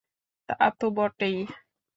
তা তো বটেই।